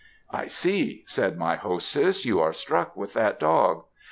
"'I see,' said my hostess, 'you are struck with that dog.